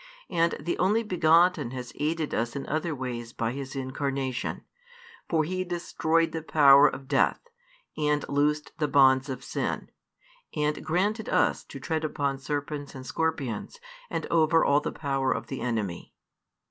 And the Only begotten has aided us in other ways by His incarnation, for He destroyed the power of death, and loosed the bonds of sin, and granted us to tread upon serpents and scorpions, and over all the power of the enemy.